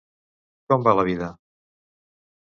Com va la vida?